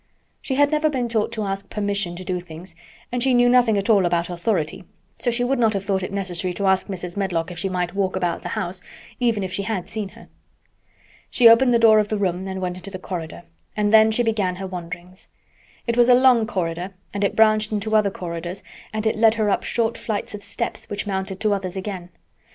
She had never been taught to ask permission to do things, and she knew nothing at all about authority, so she would not have thought it necessary to ask Mrs. Medlock if she might walk about the house, even if she had seen her. She opened the door of the room and went into the corridor, and then she began her wanderings. It was a long corridor and it branched into other corridors and it led her up short flights of steps which mounted to others again.